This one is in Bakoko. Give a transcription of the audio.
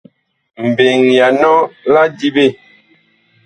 Mbeŋ ya nɔ la diɓe.